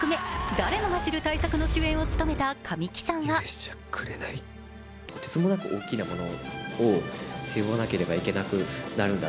誰もが知る大作の主演を務めた神木さんはと言う神木さん。